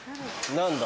何だ？